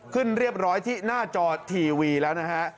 ขึ้นเรียบร้อยที่หน้าจอทีวีแล้วนะฮะ